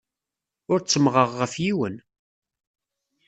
Ur ttemmɣeɣ ɣef yiwen.